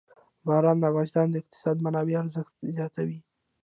باران د افغانستان د اقتصادي منابعو ارزښت زیاتوي.